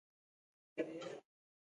د جمعې شپه د خیرات شپه ګڼل کیږي.